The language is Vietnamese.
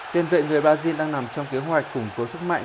tiền vệ người brazil đang nằm trong kế hoạch củng cố sức mạnh